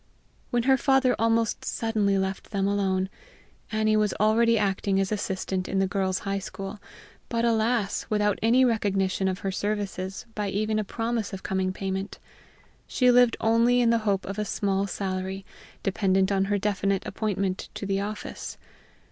When her father almost suddenly left them alone, Annie was already acting as assistant in the Girls' High School but, alas! without any recognition of her services by even a promise of coming payment. She lived only in the hope of a small salary, dependent on her definite appointment to the office.